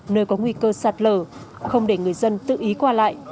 nơi có nguy cơ sặt lửa không để người dân tự ý qua lại